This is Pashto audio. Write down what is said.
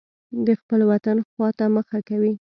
د خپل وطن خوا ته مخه کوي.